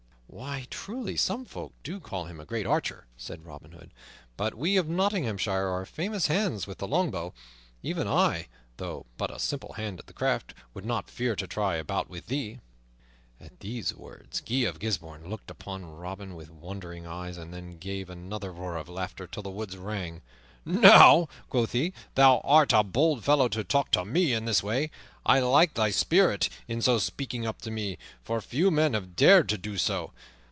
"Why, truly, some folk do call him a great archer," said Robin Hood, "but we of Nottinghamshire are famous hands with the longbow. Even I, though but a simple hand at the craft, would not fear to try a bout with thee." At these words Guy of Gisbourne looked upon Robin with wondering eyes, and then gave another roar of laughter till the woods rang. "Now," quoth he, "thou art a bold fellow to talk to me in this way. I like thy spirit in so speaking up to me, for few men have dared to do so.